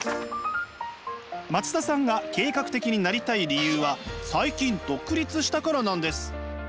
松田さんが計画的になりたい理由は最近独立したからなんです。